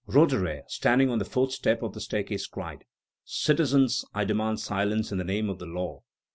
Roederer, standing on the fourth step of the staircase, cried: "Citizens, I demand silence in the name of the law.